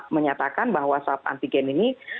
menyatakan bahwa swab antigen ini